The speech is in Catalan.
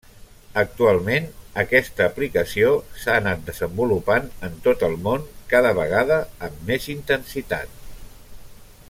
Actualment, aquesta aplicació s'ha anat desenvolupant en tot el món, cada vegada amb més intensitat.